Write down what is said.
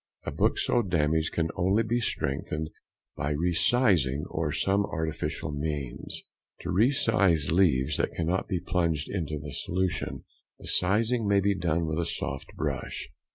A book so damaged can only be strengthened by re sizing or some artificial means. To re size leaves that cannot be plunged into the solution, the sizing may be done with a soft brush.